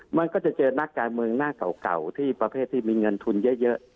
มันก็จะเจอนักการเมืองหน้าเก่าที่ประเภทที่มีเงินทุนเยอะ